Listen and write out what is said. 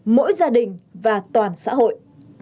mỗi gia đình và toàn xã hội